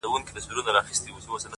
• مار ژوندی ورڅخه ولاړی گړندی سو,